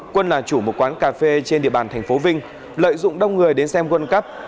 quân là chủ một quán cà phê trên địa bàn tp vinh lợi dụng đông người đến xem world cup